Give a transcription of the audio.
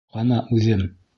Ҡанаүҙем!